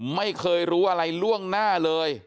ไม่เคยรู้อะไรล่วงหน้าเลย